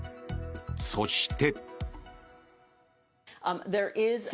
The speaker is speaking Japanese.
そして。